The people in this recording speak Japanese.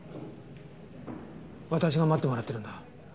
私が待ってもらってるんだ。